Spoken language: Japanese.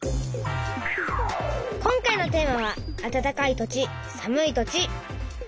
今回のテーマは「あたたかい土地さむい土地」。